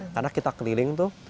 karena kita keliling tuh